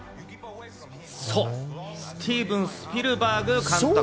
そう、スティーブン・スピルバーグ監督。